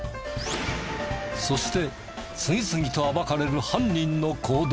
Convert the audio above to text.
そして次々と暴かれる犯人の行動。